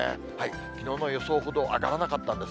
きのうの予想ほど上がらなかったんです。